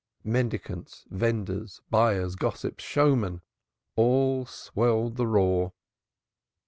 Mendicants, vendors, buyers, gossips, showmen, all swelled the roar.